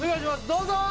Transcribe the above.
どうぞー！